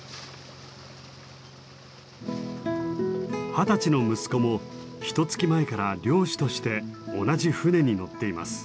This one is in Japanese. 二十歳の息子もひとつき前から漁師として同じ船に乗っています。